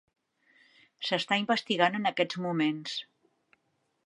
S'està investigant en aquests moments.